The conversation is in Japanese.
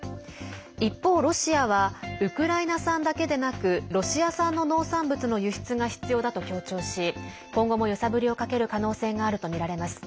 一方、ロシアはウクライナ産だけでなくロシア産の農産物の輸出が必要だと強調し今後も揺さぶりをかける可能性があるとみられます。